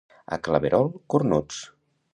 A Claverol, cornuts.